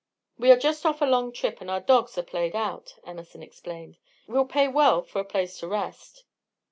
"We are just off a long trip, and our dogs are played out," Emerson explained. "We'll pay well for a place to rest."